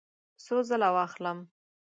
څو ځله واخلم؟